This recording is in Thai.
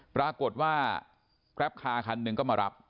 ปรากฏว่าแกรปคาร์คันหนึ่งก็มารับ